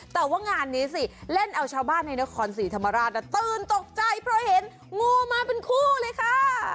แต่ว่างานนี้สิเล่นเอาชาวบ้านในนครศรีธรรมราชตื่นตกใจเพราะเห็นงูมาเป็นคู่เลยค่ะ